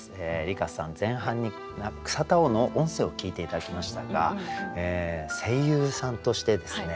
梨香さん前半に草田男の音声を聞いて頂きましたが声優さんとしてですね